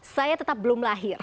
saya tetap belum lahir